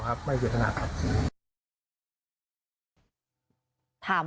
ไม่เจตนาครับ